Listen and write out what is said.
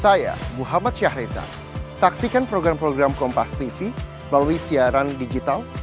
saya muhammad syahriza saksikan program program kompas tv melalui siaran digital